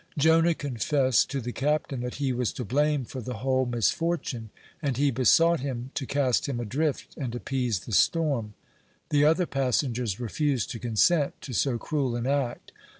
Jonah confessed to the captain that he was to blame for the whole misfortune, and he besought him to cast him adrift, and appease the storm. The other passengers refused to consent to so cruel an act.